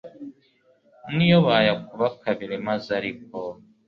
niyo bayakuba kabiri maze ariko